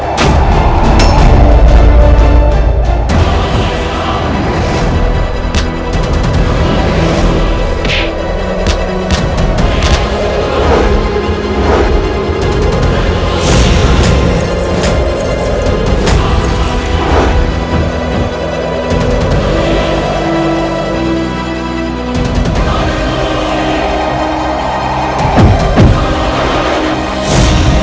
tidak ada yang menolongmu